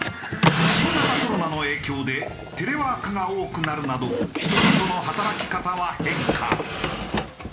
新型コロナの影響でテレワークが多くなるなど人々の働き方は変化。